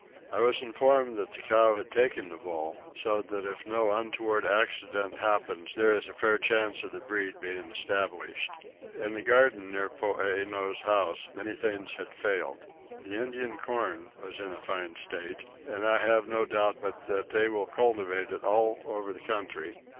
I was informed that the cow had taken the bull; so that if no untoward accident happens there is a fair chance of the breed being established. In the garden near Poeeno's house many things had failed. The Indian corn was in a fine state and I have no doubt but they will cultivate it all over the country.